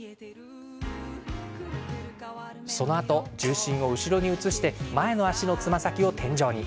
そのあと重心を後ろに移して前の足のつま先を天井に。